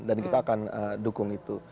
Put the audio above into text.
dan kita akan dukung itu